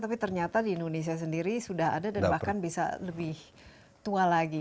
tapi ternyata di indonesia sendiri sudah ada dan bahkan bisa lebih tua lagi